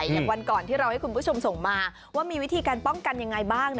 อย่างวันก่อนที่เราให้คุณผู้ชมส่งมาว่ามีวิธีการป้องกันยังไงบ้าง